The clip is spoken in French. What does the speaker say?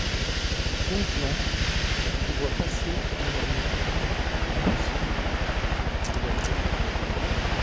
Don Juan te voit passer et murmure : Impossible !— Sois belle.